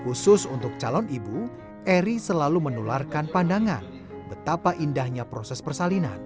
khusus untuk calon ibu eri selalu menularkan pandangan betapa indahnya proses persalinan